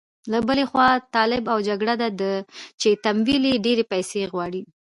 له بلې خوا طالب او جګړه ده چې تمویل یې ډېرې پيسې غواړي.